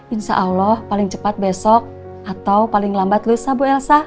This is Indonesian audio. insya allah paling cepat besok atau paling lambat lusa bu elsa